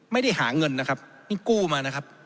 ไม่ได้หาเงินนะครับนี่กู้มานะครับ